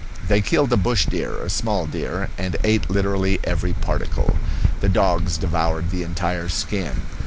They killed a bush deer a small deer and ate literally every particle. The dogs devoured the entire skin.